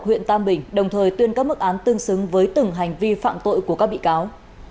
huyện tam bình đồng thời tuyên các mức án tương xứng với từng hành vi phạm tội của các bị cáo